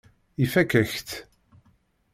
Ifakk-ak-tt.